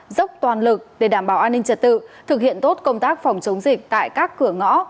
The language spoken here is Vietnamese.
dốc toàn lực để đảm bảo an ninh trật tự thực hiện tốt công tác phòng chống dịch tại các cửa ngõ